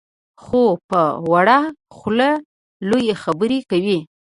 خو په وړه خوله لویې خبرې کوي.